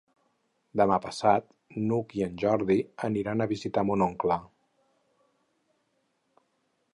Demà passat n'Hug i en Jordi aniran a visitar mon oncle.